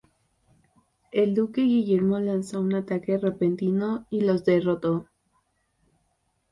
El duque Guillermo lanzó un ataque repentino y los derrotó.